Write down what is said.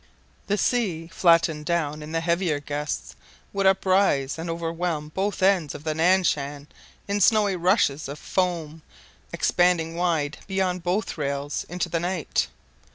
The sea, flattened down in the heavier gusts, would uprise and overwhelm both ends of the Nan Shan in snowy rushes of foam, expanding wide, beyond both rails, into the night.